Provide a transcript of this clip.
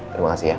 terima kasih ya